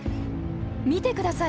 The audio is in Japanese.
見てください。